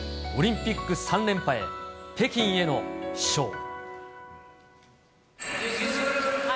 オリンピック３連覇へ・北京への飛翔。